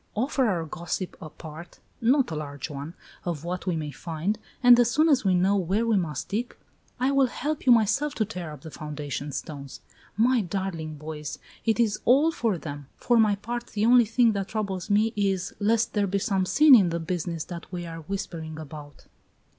Offer our gossip a part not a large one of what we may find, and as soon as we know where we must dig, I will help you myself to tear up the foundation stones. My darling boys! It is all for them! For my part, the only thing that troubles me is lest there be some sin in this business that we are whispering about."